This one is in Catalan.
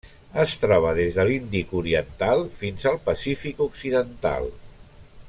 Es troba des de l'Índic oriental fins al Pacífic occidental: